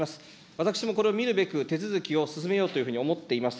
私もこれを見るべく手続きを進めようというふうに思っています。